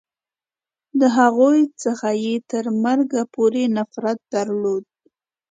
د هغوی څخه یې تر مرګه پورې نفرت درلود.